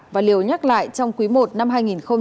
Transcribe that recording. và liều nhắc lại trong quý i năm hai nghìn hai mươi